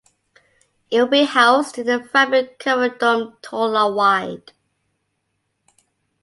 It would be housed in a fabric-covered dome tall and wide.